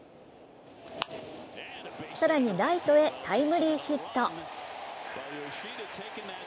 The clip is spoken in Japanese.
更に、ライトへタイムリーヒット。